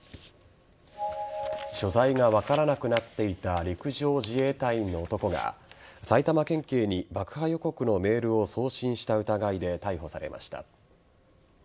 所在が分からなくなっていた陸上自衛隊員の男が埼玉県警に、爆破予告のメールを送信した疑いで逮捕されました。